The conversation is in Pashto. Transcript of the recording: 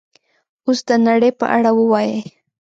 اوس د نړۍ په اړه ووایئ